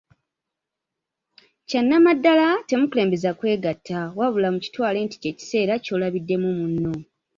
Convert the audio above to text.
Kyanamaddala temukulembeza kwegatta, wabula kitwale nti ekiseera ekyo ky'olabiddemu munno.